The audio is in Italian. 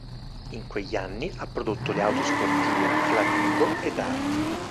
In quegli anni ha prodotto le auto sportive Flamingo e Dart.